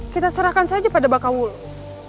kita serahkan saja pada bapak wulung